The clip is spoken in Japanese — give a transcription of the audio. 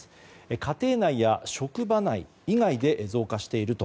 家庭内や職場内以外で増加していると。